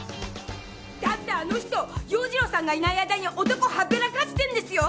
だってあの人洋次郎さんがいない間に男を侍らかしてるんですよ！